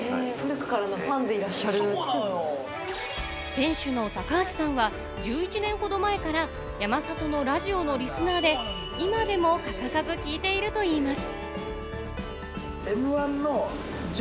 店主の高橋さんは１１年ほど前から山里のラジオのリスナーで今でも欠かさず聞いているといいます。